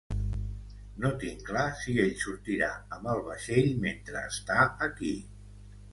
No tinc clar si ell sortirà amb el vaixell mentre està aquí.